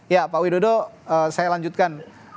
ya pak widodo saya lanjutkan